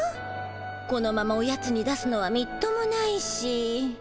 このままおやつに出すのはみっともないしそうだ！